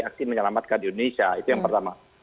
aksi menyelamatkan indonesia itu yang pertama